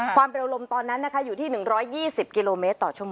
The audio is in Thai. ความเป็นอารมณ์ตอนนั้นอยู่ที่๑๒๐กิโลเมตรต่อชั่วโมง